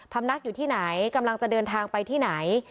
ำนักอยู่ที่ไหนกำลังจะเดินทางไปที่ไหน